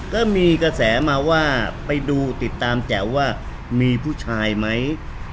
ก็มีกระแสมาว่าไปดูติดตามแจ๋วว่ามีผู้ชายไหม